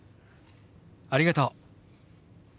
ありがとう。